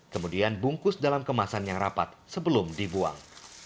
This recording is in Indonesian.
kemudian bungkus dalam kemasan yang rapat sebelum dibuang